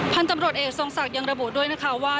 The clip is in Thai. พันธุ์ตำรวจเอกทรงศักดิ์ยังระบุด้วยนะคะว่า